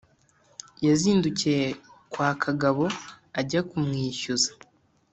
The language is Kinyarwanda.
yazindukiye kwa kagabo ajya kumwishyuza